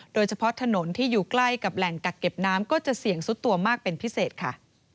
โดยเฉพาะถนนที่อยู่ใกล้กับแหล่งกักเก็บน้ำก็จะเสี่ยงซุดตัวมากเป็นพิเศษค่ะ